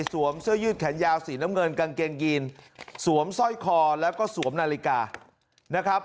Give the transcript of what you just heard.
เสื้อยืดแขนยาวสีน้ำเงินกางเกงยีนสวมสร้อยคอแล้วก็สวมนาฬิกานะครับ